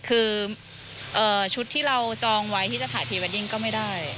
คือชุดที่เราจองไว้ที่จะถ่ายพรีเวดดิ้งก็ไม่ได้